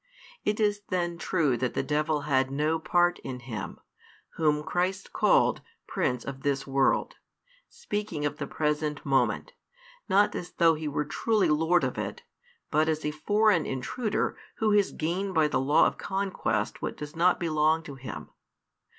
It is then true that the devil had no part in Him, whom Christ called prince of this world, speaking of the present moment, not as though he were truly lord of it, but as a foreign intruder who has gained by the law of conquest what does not belong to him.